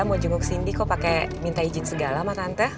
mau jenguk sindi kok pake minta izin segala mah tante